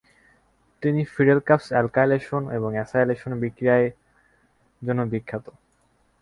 তিনি Friedel Crafts alkylation এবং acylation বিক্রিয়ার জন্য বিখ্যাত।